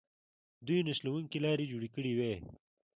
دوی نښلوونکې لارې جوړې کړې وې.